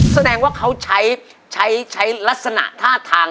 แสดงว่าเขาใช้รัสนาธาตาการ